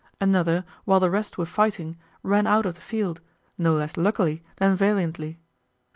Another, while the rest were fighting, ran out of the field, no less luckily than valiantly.